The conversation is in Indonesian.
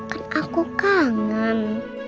kan aku kangen